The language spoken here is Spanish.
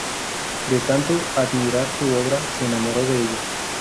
De tanto admirar su obra, se enamoró de ella.